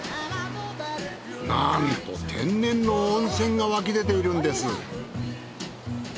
なんと天然の温泉が湧き出ているんです。